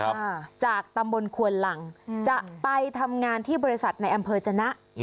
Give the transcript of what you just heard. อ่าจากตำบลควนหลังอืมจะไปทำงานที่บริษัทในอำเภอจนะ